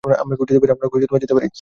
আমরাও কি যেতে পারি?